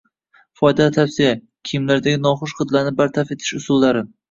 Foydali tavsiya: kiyimlardagi noxush hidlarni bartaraf etish usullari